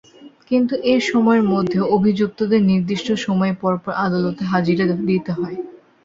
কিন্তু এ সময়ের মধ্যেও অভিযুক্তদের নির্দিষ্ট সময় পরপর আদালতে হাজিরা দিতে হয়।